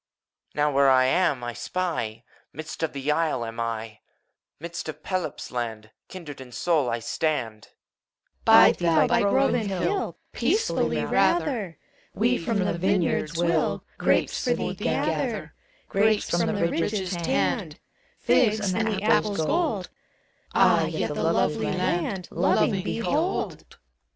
Now, where I am, I spy I Midst of the Isle am I : Midst of Pelops' land, Kindred in soul, I standi OHOBUS. Bide thou by grove and hill, Peacefully, rather I We from the vineyards will Qrapes for thee gather, — Grapes from^he ridges tanned. Figs, and the apple's gold : Ah! yet the lovely land, Loving, behold!